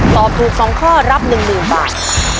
ตอบถูก๒ข้อรับ๑๐๐๐บาท